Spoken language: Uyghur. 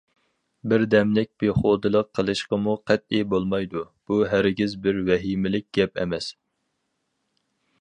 بىردەملىك بىخۇدلۇق قىلىشقىمۇ قەتئىي بولمايدۇ، بۇ ھەرگىز بىر ۋەھىمىلىك گەپ ئەمەس.